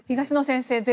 東野先生